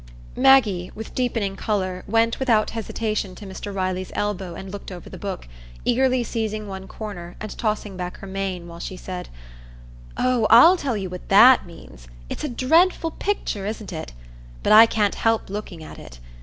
Maggie, with deepening colour, went without hesitation to Mr Riley's elbow and looked over the book, eagerly seizing one corner, and tossing back her mane, while she said,— "Oh, I'll tell you what that means. It's a dreadful picture, isn't it? But I can't help looking at it.